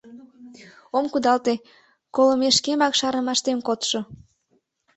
Ом кудалте, колымешкемак шарнымаштем кодшо...